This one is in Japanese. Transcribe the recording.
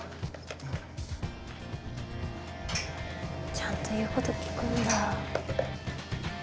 ちゃんと言うこときくんだ。